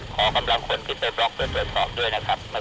มาเข้าถึงเป้าหมายลับเดิน